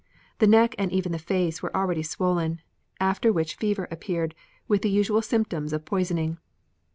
The neck and even the face were already swollen, after which fever appeared, with the usual symptoms of poisoning.